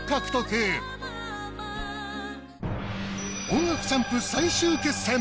『音楽チャンプ』最終決戦！